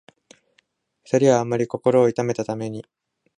二人はあんまり心を痛めたために、